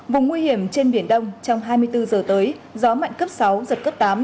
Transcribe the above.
vùng nguy hiểm trên biển đông trong hai mươi bốn giờ tới gió mạnh cấp sáu giật cấp tám